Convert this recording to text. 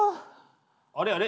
あれあれ？